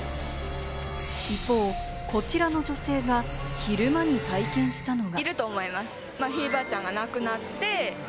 一方、こちらの女性が昼間に体験したのが。